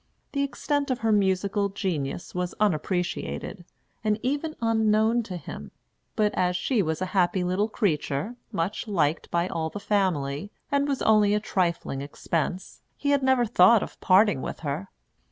The extent of her musical genius was unappreciated, and even unknown to him; but as she was a happy little creature, much liked by all the family, and was only a trifling expense, he had never thought of parting with her.